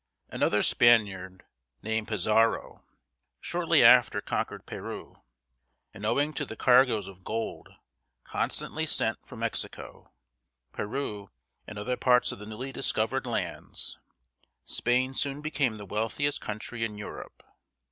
Another Spaniard, named Pi zar´ro, shortly after conquered Pe ru´, and owing to the cargoes of gold constantly sent from Mexico, Peru, and other parts of the newly discovered lands, Spain soon became the wealthiest country in Europe.